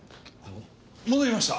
戻りました。